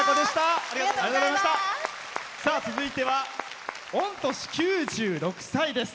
続いては、御年９６歳です。